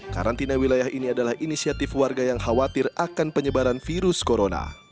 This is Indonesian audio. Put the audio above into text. karantina wilayah ini adalah inisiatif warga yang khawatir akan penyebaran virus corona